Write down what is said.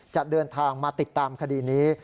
จะเดินทางมาติดตามคดีนี้